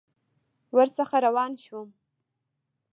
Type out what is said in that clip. ورڅخه روان شوم.